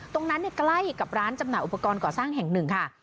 ใกล้กับร้านจำหน่ายอุปกรณ์ก่อสร้างแห่งหนึ่งค่ะ